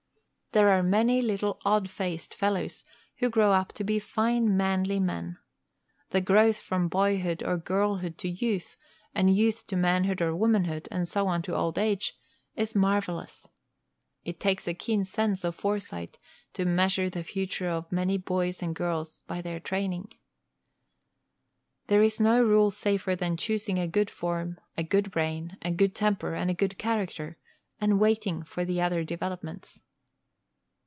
There are many little odd faced fellows who grow up to be fine manly men. The growth from boyhood or girlhood to youth, and youth to manhood or womanhood, and so on to old age, is marvellous. It takes a keen sense of foresight to measure the future of many boys and girls by their beginning. There is no rule safer than choosing a good form, a good brain, a good temper, and a good character, and waiting for the other developments.